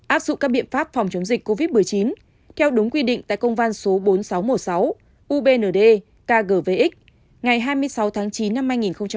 áp dụng các biện pháp phòng chống dịch covid một mươi chín theo đúng quy định tại công văn số bốn nghìn sáu trăm một mươi sáu ubnd kgvx ngày hai mươi sáu tháng chín năm hai nghìn hai mươi